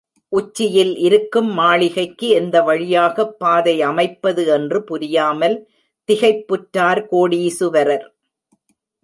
உச்சியில் இருக்கும் மாளிகைக்கு எந்த வழியாகப் பாதை அமைப்பது என்று புரியாமல் திகைப்புற்றார் கோடீசுவரர்.